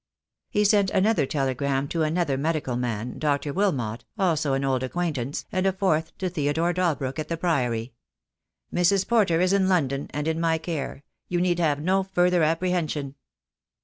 He sent another telegram to another medical man, Dr. Wilmot, also an old acquaintance, and a fourth to Theodore Dalbrook, at the Priory: — "Mrs. Porter is in London, and in my care. You need have no further apprehension."